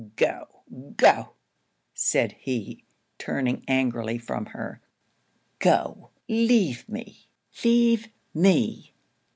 'Go, go,' said he, turning angrily from her 'Go, leave me, leave me!